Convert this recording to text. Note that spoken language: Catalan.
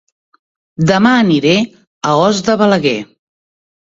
Dema aniré a Os de Balaguer